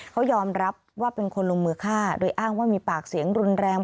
เขายอมรับว่าเป็นคนลงมือฆ่าโดยอ้างว่ามีปากเสียงรุนแรง